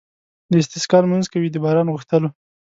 د استسقا لمونځ کوي د باران غوښتلو.